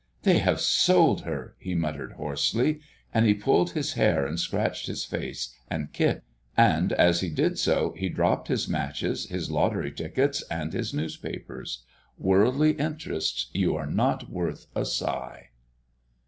"They have sold her!" he muttered hoarsely; and he pulled his hair and scratched his face and kicked, and as he did so he dropped his matches, his lottery tickets, and his newspapers. Worldly interests, you are not worth a sigh!